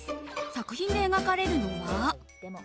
作品で描かれるのは。